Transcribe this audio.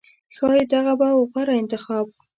ښایي دغه به و غوره انتخاب